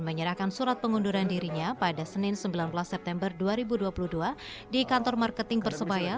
menyerahkan surat pengunduran dirinya pada senin sembilan belas september dua ribu dua puluh dua di kantor marketing persebaya